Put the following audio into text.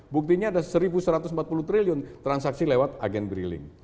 buktinya ada satu satu ratus empat puluh triliun transaksi lewat agen briling